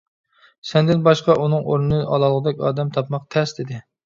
سەندىن باشقا ئۇنىڭ ئورنىنى ئالالىغۇدەك ئادەم تاپماق تەس، -دېدى.